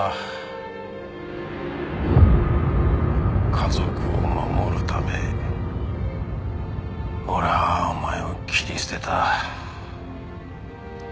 家族を守るため俺はお前を切り捨てた。